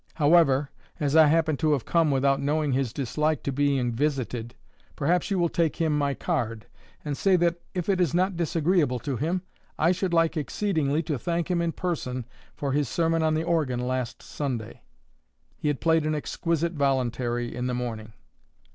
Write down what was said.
However, as I happen to have come without knowing his dislike to being visited, perhaps you will take him my card, and say that if it is not disagreeable to him, I should like exceedingly to thank him in person for his sermon on the organ last Sunday." He had played an exquisite voluntary in the morning.